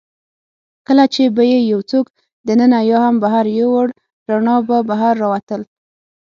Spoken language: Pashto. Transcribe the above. کله چي به يې یوڅوک دننه یا هم بهر یووړ، رڼا به بهر راوتل.